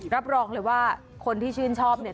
รับรองเลยว่าคนที่ชื่นชอบเนี่ย